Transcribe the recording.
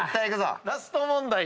ラスト問題。